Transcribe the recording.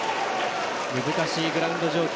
難しいグラウンド状況。